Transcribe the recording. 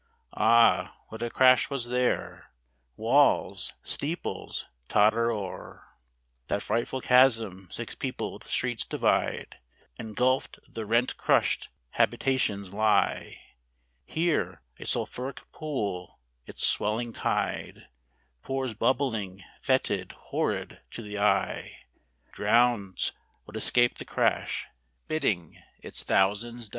Ah, what a crash was there ! walls, steeples, totter o'er. That frightful chasm six peopled streets divide, Ingulph'd the rent crushed habitations lie ; Here a sulphuric pool its swelling tide Pours bubbling, fetid, horrid to the eye; Drowns what escaped the crash, bidding its thousands die.